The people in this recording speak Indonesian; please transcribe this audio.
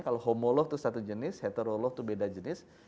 kalau homo loh itu satu jenis hetero loh itu beda jenis